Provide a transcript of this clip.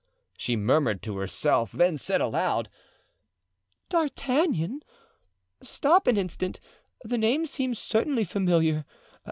she murmured to herself, then said aloud: "D'Artagnan! stop an instant, the name seems certainly familiar.